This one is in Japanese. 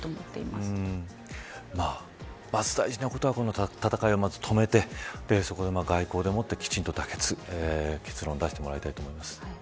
まず大事なことはこの戦いをまず止めてそこで外交でもってきちんと妥結結論を出してもらいたいと思います。